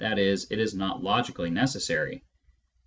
e. it is not logically necessary.